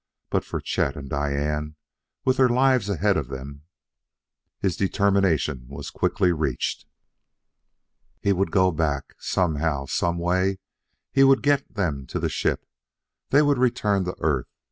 But for Chet, and Diane, with their lives ahead of them " His determination was quickly reached. He would go back. Somehow, some way, he would get them to the ship. They would return to Earth.